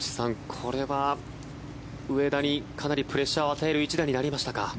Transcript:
これは上田にかなりプレッシャーを与える一打になりましたか。